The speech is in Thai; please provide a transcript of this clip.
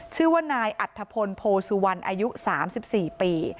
ชื่อว่านายอัธพลโพสุวรรณอายุ๓๔ปี